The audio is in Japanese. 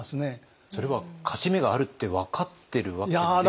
それは勝ち目があるって分かってるわけでは。